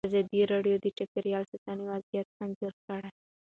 ازادي راډیو د چاپیریال ساتنه وضعیت انځور کړی.